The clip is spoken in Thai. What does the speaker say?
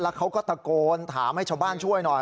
เขาก็ตะโกนถามให้ชาวบ้านช่วยหน่อย